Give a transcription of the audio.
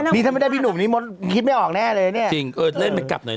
นี่ถ้าไม่ได้พี่หนุ่มนี่มดคิดไม่ออกแน่เลยเนี่ยจริงเออเล่นไปกลับหน่อย